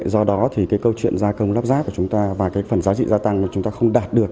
do đó thì cái câu chuyện gia công lắp ráp của chúng ta và cái phần giá trị gia tăng mà chúng ta không đạt được